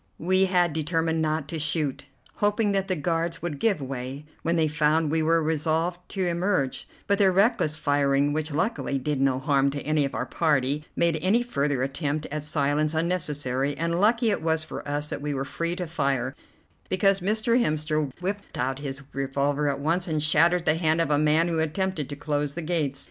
We had determined not to shoot, hoping that the guards would give way when they found we were resolved to emerge; but their reckless firing, which luckily did no harm to any of our party, made any further attempt at silence unnecessary, and lucky it was for us that we were free to fire, because Mr. Hemster whipped out his revolver at once and shattered the hand of a man who attempted to close the gates.